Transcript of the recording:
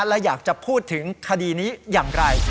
และอยากจะพูดถึงคดีนี้อย่างไร